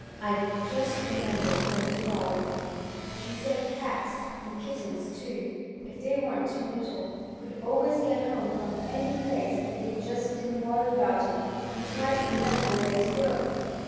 I just remembered a little while ago. She said cats and kittens, too, if they weren't too little could always get home from any place if they just didn't worry about it and try to remember the way to go.